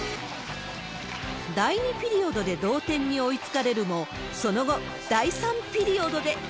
第２ピリオドで同点に追いつかれるも、その後、第３ピリオドで。